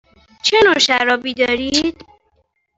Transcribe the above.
چه نوع شرابی دارید؟